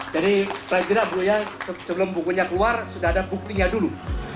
jadi sebelum bukunya keluar sudah ada bukunya dulu